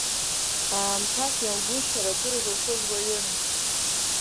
Аамҭак иаугәышьар, акыр зылшоз уаҩын.